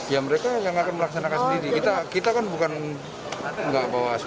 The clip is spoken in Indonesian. ya mereka yang akan melaksanakan sendiri kita kan bukan nggak bawa